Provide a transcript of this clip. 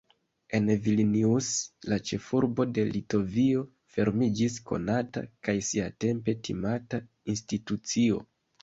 En Vilnius, la ĉefurbo de Litovio, fermiĝis konata – kaj siatempe timata – institucio.